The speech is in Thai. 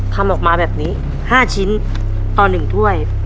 ทำออกมาแบบนี้๕ชิ้นต่อ๑ถ้วย